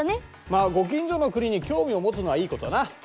まあご近所の国に興味を持つのはいいことだな。